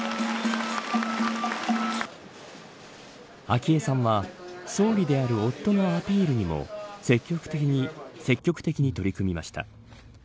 昭恵さんは総理である夫のアピールにも積極的に取り組みました。